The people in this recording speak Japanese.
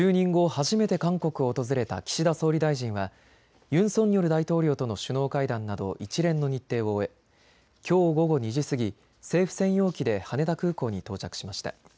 初めて韓国を訪れた岸田総理大臣はユン・ソンニョル大統領との首脳会談など一連の日程を終えきょう午後２時過ぎ、政府専用機で羽田空港に到着しました。